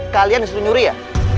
kalian disuruh nyuri ya